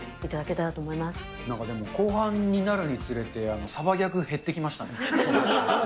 なんかでも後半になるにつれて、サバギャグ減ってきましたね。